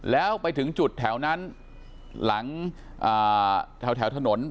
แล้วไปถึงจุดแถวนั้นหลังแถวถนน